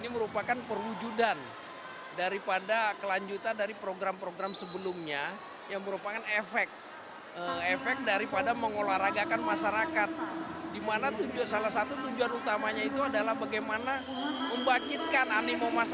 mereka akan cabur karate kata dan kubite